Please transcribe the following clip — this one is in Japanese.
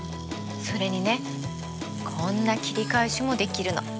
それにねこんな切り返しもできるの。